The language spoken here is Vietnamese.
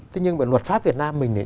thế nhưng mà luật pháp việt nam mình